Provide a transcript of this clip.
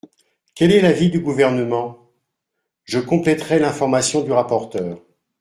Quel est l’avis du Gouvernement ? Je compléterai l’information du rapporteur.